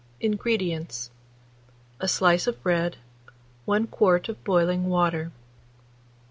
INGREDIENTS. A slice of bread, 1 quart of boiling water.